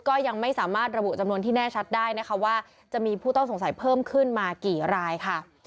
ก็ยังไม่สามารถระบุจำนวนที่แน่ชัดได้นะคะว่าจะมีผู้ต้องสงสัยเพิ่มขึ้นมากี่รายค่ะ